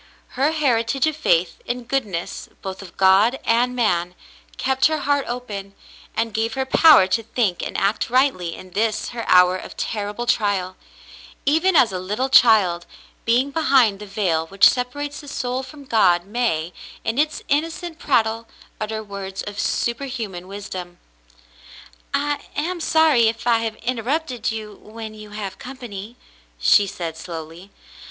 Her heritage of faith in goodness — both of God and man — kept her heart open, and gave her power to think and act rightly in this her hour of terrible trial ; even as a little child, being behind the veil which separates the soul from God, may, in its innocent prattle, utter words of superhuman wisdom. "I am sorry if I have interrupted you when you have company," she said slowly.